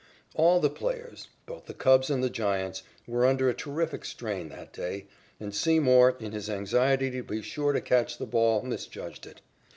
All the players, both the Cubs and the Giants, were under a terrific strain that day, and Seymour, in his anxiety to be sure to catch the ball, misjudged it.